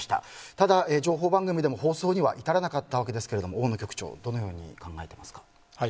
ただ、情報番組でも放送には至らなかったわけですけれども大野局長どのように考えていますか。